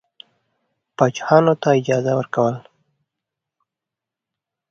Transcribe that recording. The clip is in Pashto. پاچاهانو ته اجازه ورکوله.